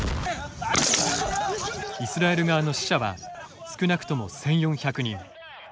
イスラエル側の死者は少なくとも１，４００人。